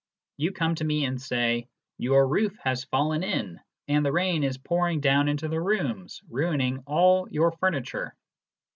You come to me and say :" Your roof has fallen in, and the rain is pouring down into the rooms, ruining all your furniture."